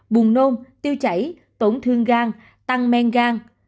buồn nôn tiêu chảy tổn thương gan tăng men gan